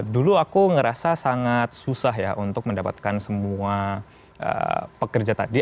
dulu aku ngerasa sangat susah ya untuk mendapatkan semua pekerja tadi